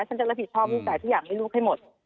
ฉันจะรับผิดชอบลูกจ่ายทุกอย่างให้ลูกให้หมด